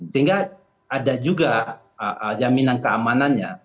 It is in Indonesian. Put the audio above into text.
sehingga ada juga jaminan keamanannya